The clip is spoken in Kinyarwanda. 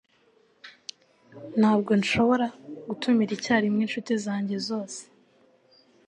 Ntabwo nshobora gutumira icyarimwe inshuti zanjye zose.